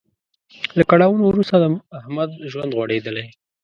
له کړاوونو وروسته د احمد ژوند غوړیدلی.